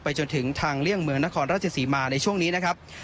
จนถึงทางเลี่ยงเมืองนครราชศรีมาในช่วงนี้นะครับ